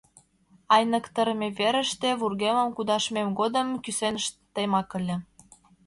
— Айныктарыме верыште вургемым кудашмем годым кӱсеныштемак ыле...